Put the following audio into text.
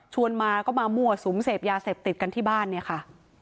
มาก็มามั่วสุมเสพยาเสพติดกันที่บ้านเนี่ยค่ะ